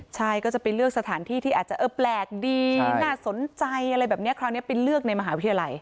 ใช่ไปเลือกสถานที่อาจจะแปลกดีน่าสนใจอันนี้ไปเลือกในมหาวิทยาลัย